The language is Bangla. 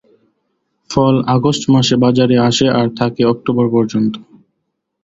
ফল আগস্ট মাসে বাজারে আসে আর থাকে অক্টোবর পর্যন্ত।